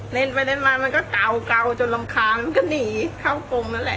เล่นไปเล่นมามันก็เก่าจนรำคาญมันก็หนีเข้ากงนั่นแหละ